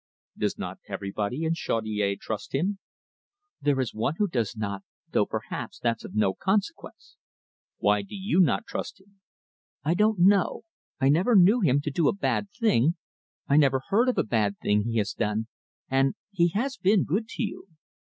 "Does not everybody in Chaudiere trust him?" "There is one who does not, though perhaps that's of no consequence." "Why do you not trust him?" "I don't know. I never knew him do a bad thing; I never heard of a bad thing he has done; and he has been good to you."